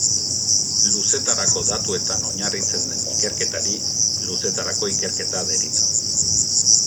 Luzetarako datuetan oinarritzen den ikerketari luzetarako ikerketa deritzo.